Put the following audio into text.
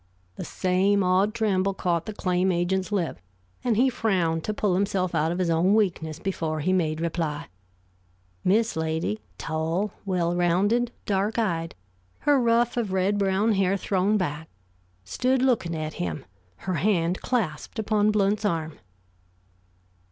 The same odd tremble caught the claim agent's lip, and he frowned to pull himself out of his own weakness before he made reply. Miss Lady, tall, well rounded, dark eyed, her ruff of red brown hair thrown back, stood looking at him, her hand clasped upon Blount's arm.